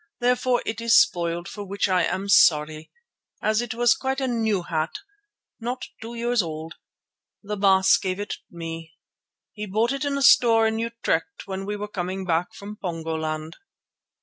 Therefore it is spoiled, for which I am sorry, as it was quite a new hat, not two years old. The Baas gave it me. He bought it in a store at Utrecht when we were coming back from Pongoland."